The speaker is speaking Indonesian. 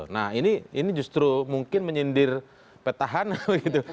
nah ini justru mungkin menyindir petahan apa gitu